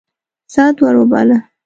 سعد ور وباله.